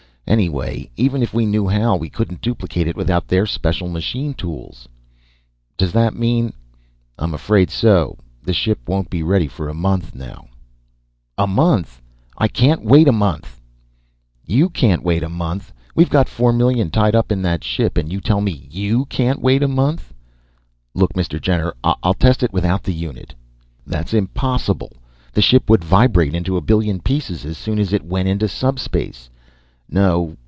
Anyway, even if we knew how, we couldn't duplicate it without their special machine tools." "Does that mean " "I'm afraid so. The ship won't be ready for a month, now." "A month! I can't wait a month." "You can't wait a month? We've got four million tied up in that ship and you tell me you can't wait a month." "Look, Mr. Jenner, I'll test it without the unit." "That's impossible. The ship would vibrate into a billion pieces as soon as it went into subspace. No!